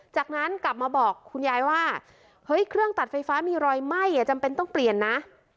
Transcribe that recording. จากนั้นกลับมาบอกคุณยายว่าเฮ้ยเครื่องตัดไฟฟ้ามีรอยไหม้จำเป็นต้องเปลี่ยนนะ